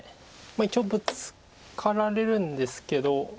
一応ブツカられるんですけど。